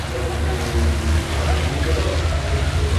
সেজন্য ঐ ধর্ম ভারত থেকে নির্মূল হয়ে গিয়েছে।